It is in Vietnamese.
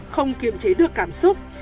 không kiềm chế được cảm xúc